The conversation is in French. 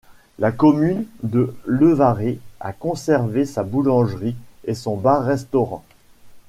La commune de Levaré a conservé sa boulangerie et son bar-restaurant.